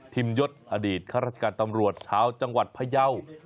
ยศอดีตข้าราชการตำรวจชาวจังหวัดพยาว